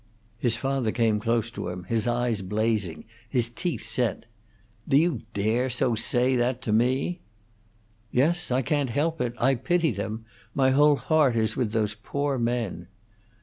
His father came close to him, his eyes blazing, his teeth set. "Do you dare so say that to me?" "Yes. I can't help it. I pity them; my whole heart is with those poor men."